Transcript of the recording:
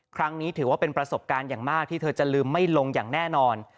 ครั้งนี้ถือว่าเป็นประสบการณ์อย่างมากที่เธอจะลืมไม่ลงอย่างแน่นอน